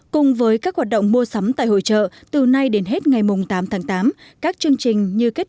cùng với các hoạt động mua sắm tại hội trợ từ nay đến hết ngày tám tháng tám các chương trình như kết